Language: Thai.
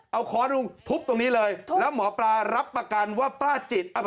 เอาค้อนลงทุบตรงนี้เลยแล้วหมอปลารับประกันว่าป้าจิต